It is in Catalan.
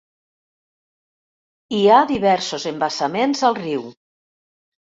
Hi ha diversos embassaments al riu.